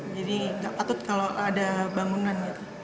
jadi tidak patut kalau ada bangunan